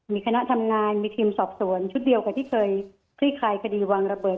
มีคณะทำงานมีทีมสอบสวนชุดเดียวกับที่เคยคลี่คลายคดีวางระเบิด